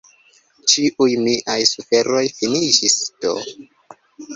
Ĉiuj miaj suferoj finiĝis do!